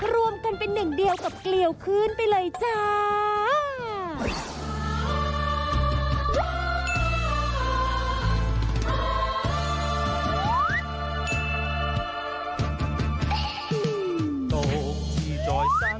รวมกันเป็นหนึ่งเดียวกับเกลียวคืนไปเลยจ้า